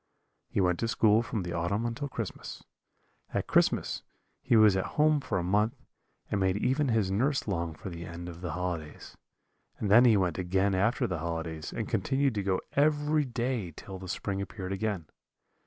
"He went to school from the autumn until Christmas: at Christmas he was at home for a month, and made even his nurse long for the end of the holidays; and then he went again after the holidays, and continued to go every day till the spring appeared again.